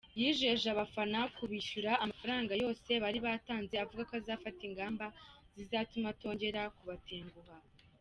Yijeje abafana kubishyura amafaranga yose bari batanze avuga ko azafata ingamba zizatuma atongera kubatenguha.